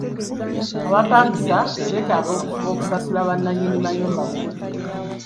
Abapangisa beetaaga okufuba okusasula bannannyini mayumba mu budde.